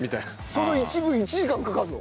その１文１時間かかるの？